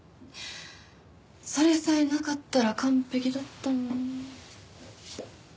それさえなかったら完璧だったのに。